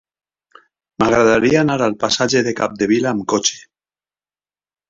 M'agradaria anar al passatge de Capdevila amb cotxe.